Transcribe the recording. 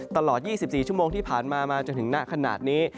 ตลอด๒๔ชั่วโมงที่ผ่านมามาจนถึงหน้าขนาดนี้